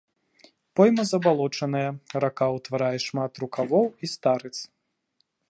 Пойма забалочаная, рака ўтварае шмат рукавоў і старыц.